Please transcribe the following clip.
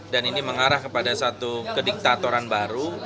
ini mengarah kepada satu kediktatoran baru